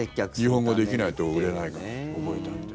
日本語できないと売れないから覚えたって。